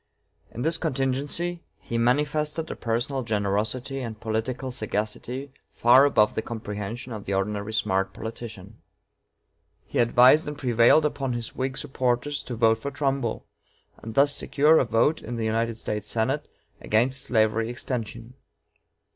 In this contingency, he manifested a personal generosity and political sagacity far above the comprehension of the ordinary smart politician. He advised and prevailed upon his Whig supporters to vote for Trumbull, and thus secure a vote in the United States Senate against slavery extension.